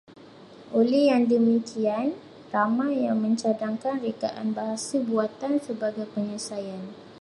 Oleh yang demikian, ramai yang mencadangkan rekaan bahasa buatan sebagai penyelesaian